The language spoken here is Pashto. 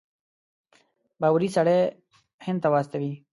باوري سړی هند ته واستوي.